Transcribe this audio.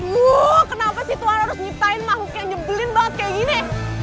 loh kenapa sih tuhan harus ngiptain makhluk yang nyebelin banget kayak gini